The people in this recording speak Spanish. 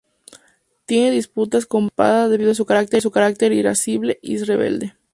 Tiene disputas con varios "Espada" debido a su carácter irascible y rebelde.